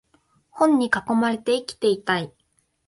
本に囲まれて生きていたい